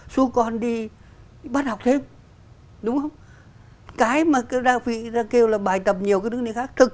xô con đi bắt học thêm đúng không cái mà đa vị ra kêu là bài tập nhiều cái thứ này khác thực